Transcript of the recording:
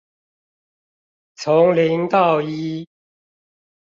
從零到一